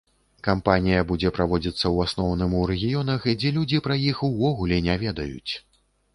Кампанія будзе праводзіцца, у асноўным, у рэгіёнах, дзе людзі пра іх увогуле не ведаюць.